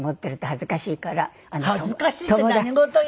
恥ずかしいって何事よ！